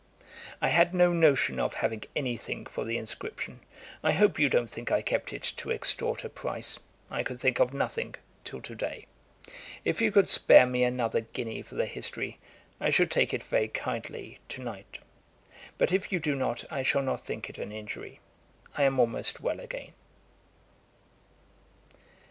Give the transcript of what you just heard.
'I had no notion of having any thing for the Inscription. I hope you don't think I kept it to extort a price. I could think of nothing, till to day. If you could spare me another guinea for the history, I should take it very kindly, to night; but if you do not I shall not think it an injury. I am almost well again.'